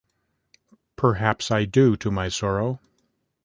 Perhaps I do, to my sorrow.